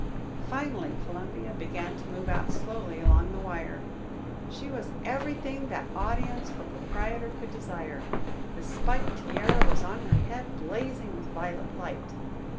Finally, Columbia began to move out slowly along the wire. She was everything that audience or proprietor could desire. The spiked tiara was on her head, blazing with violet light.